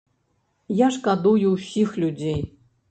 Я шкадую ўсіх людзей.